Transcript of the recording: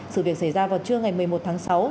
sự việc xảy ra vào trưa ngày một mươi một tháng sáu